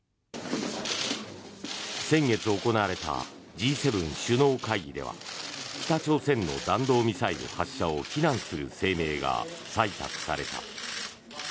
先月行われたＧ７首脳会議では北朝鮮の弾道ミサイル発射を非難する声明が採択された。